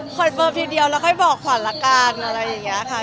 คอนเฟิร์มทีเดียวแล้วค่อยบอกขวัดแล้วกัน